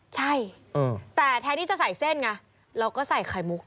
ใช่แต่แทนที่จะใส่เส้นไงเราก็ใส่ไข่มุก